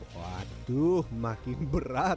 waduh makin berat